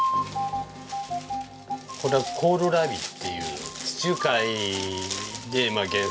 これはコールラビっていう地中海原産。